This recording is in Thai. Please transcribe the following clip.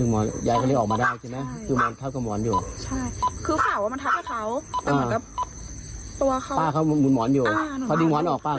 ไม่เห็นนะหนูช่วยดึง